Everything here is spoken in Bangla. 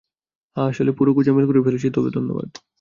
হ্যাঁ, আসলে, পুরো গোজামিল করে ফেলেছি, তবে ধন্যবাদ।